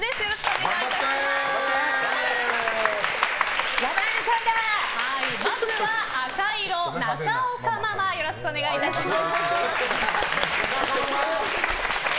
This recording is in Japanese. よろしくお願いします。